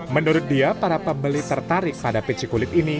menurut dia para pembeli tertarik pada peci kulit ini